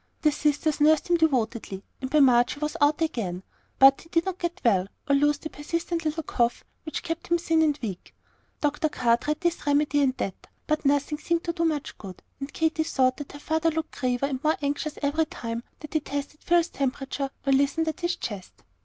The sisters nursed him devotedly, and by March he was out again; but he did not get well or lose the persistent little cough, which kept him thin and weak. Dr. Carr tried this remedy and that, but nothing seemed to do much good; and Katy thought that her father looked graver and more anxious every time that he tested Phil's temperature or listened at his chest.